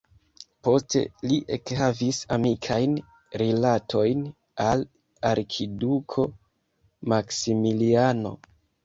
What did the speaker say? Poste li ekhavis amikajn rilatojn al arkiduko Maksimiliano.